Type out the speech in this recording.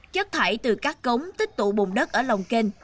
chất thải từ các cống tích tụ bùng đất ở lòng kênh